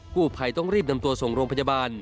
กู้ภัยต้องรีบนำตัวส่งโรงพยาบาล